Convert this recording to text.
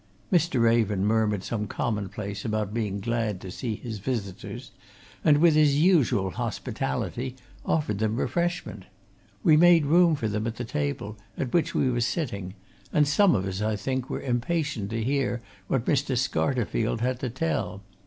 Mr. Raven murmured some commonplace about being glad to see his visitors, and, with his usual hospitality, offered them refreshment. We made room for them at the table at which we were sitting, and some of us, I think, were impatient to hear what Mr. Scarterfield had to tell.